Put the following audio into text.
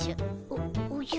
おおじゃ。